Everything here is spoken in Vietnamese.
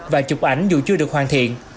và chụp ảnh dù chưa được hoàn thiện